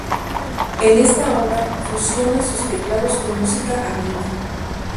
En esta obra fusiona sus teclados con música andina.